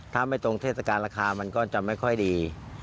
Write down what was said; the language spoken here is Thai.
ถ้าไม่ตรงเทศกาลราคามันก็จะไม่ค่อยดี